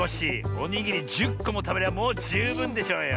おにぎり１０こもたべりゃもうじゅうぶんでしょうよ。